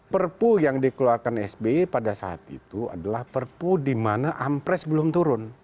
perpu yang dikeluarkan sby pada saat itu adalah perpu di mana ampres belum turun